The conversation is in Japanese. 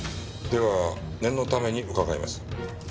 では念のために伺います。